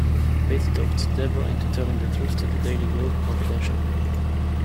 Betty talked Debra into telling the truth to the Daily Globe, confidentially.